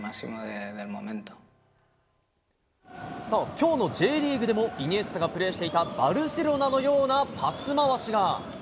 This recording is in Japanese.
きょうのＪリーグでも、イニエスタがプレーしていたバルセロナのようなパス回しが。